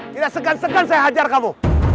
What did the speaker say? tidak segan segan saya hajar kamu